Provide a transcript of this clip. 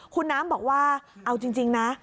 คุณน้ำบอกว่าเอาจริงนะ